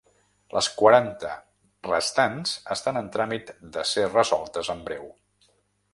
Les quaranta restants estan en tràmit de ser resoltes en breu.